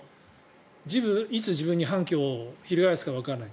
いつ自分に反旗を翻すかわからない。